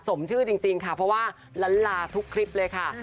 สมชื่อจริงค่ะเพราะว่าล้านลาทุกคลิปเลยค่ะ